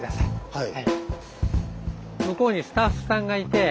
はい。